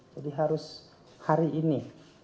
jadi harus hari ini